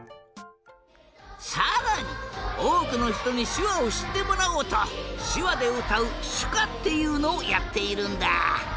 さらにおおくのひとにしゅわをしってもらおうとしゅわでうたうしゅかっていうのをやっているんだ。